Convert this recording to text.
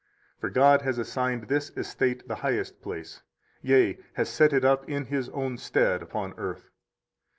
For God has assigned this estate the highest place, yea, has set it up in His own stead, upon earth.